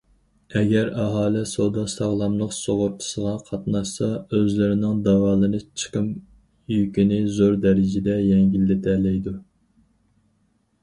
ئەگەر ئاھالە سودا ساغلاملىق سۇغۇرتىسىغا قاتناشسا، ئۆزلىرىنىڭ داۋالىنىش چىقىم يۈكىنى زور دەرىجىدە يەڭگىللىتەلەيدۇ.